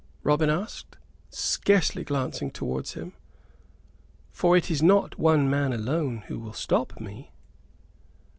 Robin asked, scarcely glancing towards him. "For it is not one man alone who will stop me."